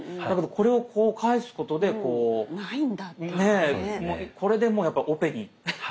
だけどこれをこう返すことでこうこれでもうやっぱオペに。